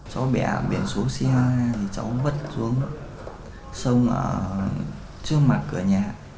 cháu bẻ biển xuống xe thì cháu vất xuống sông trước mặt cửa nhà